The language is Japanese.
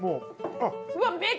うわっ